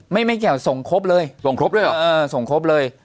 ไม่ไม่เกี่ยวส่งครบเลยส่งครบด้วยเหรอเออส่งครบเลย